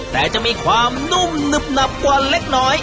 แต่จะมีความนุ่มหนึบหนับกว่าเล็กน้อย